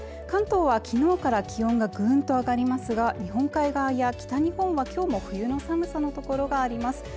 関東は昨日から気温がぐーんと上がりますが日本海側や北日本は今日も冬の寒さの所があります